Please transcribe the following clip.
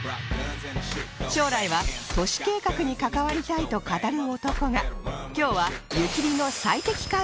将来は都市計画に関わりたいと語る男が今日は